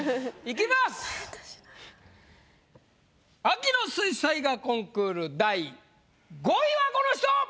秋の水彩画コンクール第５位はこの人！